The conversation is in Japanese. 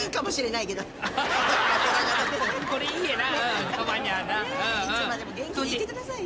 いつまでも元気でいてくださいよ。